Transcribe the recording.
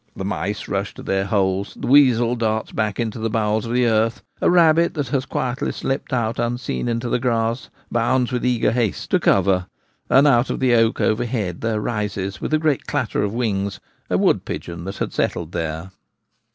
The mice rush to their holes, the weasel darts back into the bowels of the earth, a rabbit that has quietly slipped out unseen into the grass bounds with eager haste to cover, and out of the oak overhead there rises, with a great clatter of wings, a wood pigeon that had settled there.